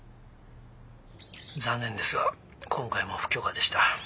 残念ですが今回も不許可でした。